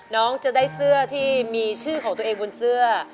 น้องจะได้เสื้อที่มีชื่อของตัวเองบนเสื้อ